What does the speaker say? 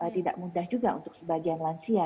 tidak mudah juga untuk sebagian lansia